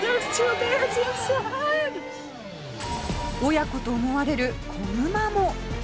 親子と思われる子グマも